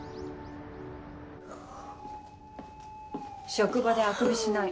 職場であくびしない。